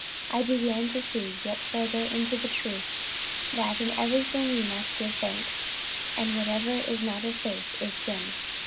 I began to see yet further into the truth that in everything we must give thanks, and whatever is not of faith is sin.